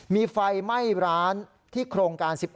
มีไฟไหม้ร้านที่โครงการ๑๑